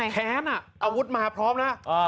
แค้นอาวุธมาพร้อมนะ